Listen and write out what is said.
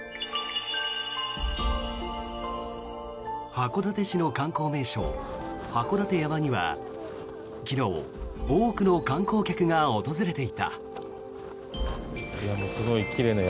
函館市の観光名所、函館山には昨日多くの観光客が訪れていた。